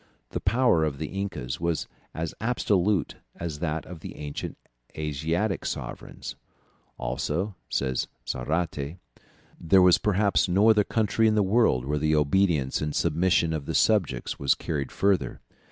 The power of the incas was as absolute as that of the ancient Asiatic sovereigns. "Also," says Zarate, "there was perhaps no other country in the world where the obedience and submission of the subjects was carried further.